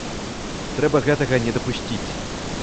Трэба гэтага не дапусціць.